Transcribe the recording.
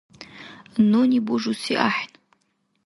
– Нуни бужуси ахӀен.